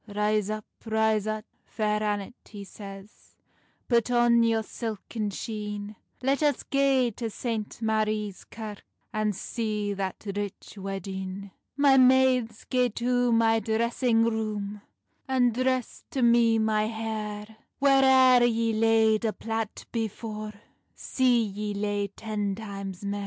"Rise up, rise up, Fair Annet," he says "Put on your silken sheene; Let us gae to St. Marie's Kirke, And see that rich weddeen." "My maides, gae to my dressing roome, And dress to me my hair; Whaireir yee laid a plait before, See yee lay ten times mair.